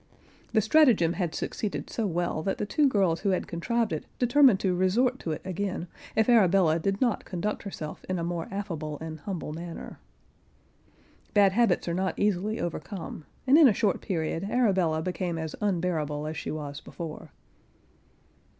[Pg 51] The stratagem had succeeded so well that the two girls who had contrived it, determined to resort to it again, if Arabella did not conduct herself in a more affable and humble manner. Bad habits are not easily overcome, and in a short period Arabella became as unbearable as she was before.